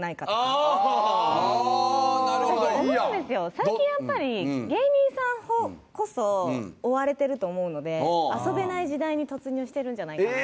最近やっぱり芸人さんこそ追われてると思うので遊べない時代に突入してるんじゃないかなって。